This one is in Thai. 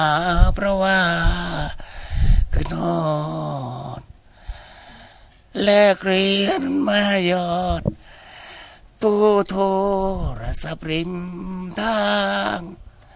มาประวาขึ้นหอดและเกรียญมหยอดตู้โทรศพริมทาง